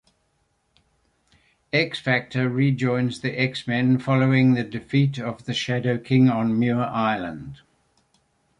X-Factor rejoins the X-Men following the defeat of the Shadow King on Muir Island.